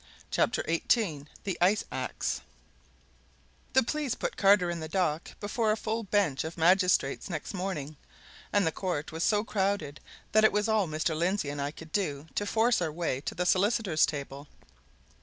CHAPTER XVIII THE ICE AX The police put Carter in the dock before a full bench of magistrates next morning, and the court was so crowded that it was all Mr. Lindsey and I could do to force our way to the solicitors' table.